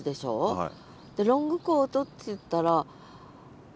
はい。